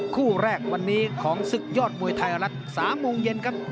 คู่แรกวันนี้ของศึกยอดมวยไทยรัฐ๓โมงเย็นครับ